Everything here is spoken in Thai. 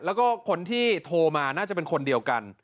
แล้วก็คนที่โทรมาน่าจะเป็นคนเดียวกัน